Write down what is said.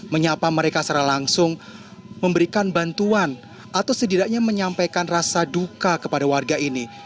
menyapa mereka secara langsung memberikan bantuan atau setidaknya menyampaikan rasa duka kepada warga ini